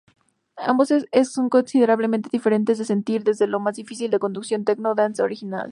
Ambos son considerablemente diferentes de sentir desde la más difícil de conducción Techno-Dance original.